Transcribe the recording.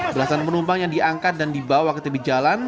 belasan penumpang yang diangkat dan dibawa ke tepi jalan